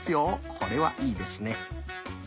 これはいいですね。